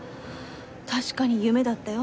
確かに夢だったよ。